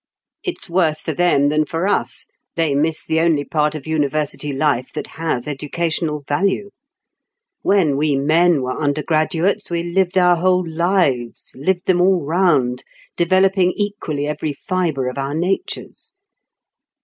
It's worse for them than for us; they miss the only part of university life that has educational value. When we men were undergraduates, we lived our whole lives, lived them all round, developing equally every fibre of our natures.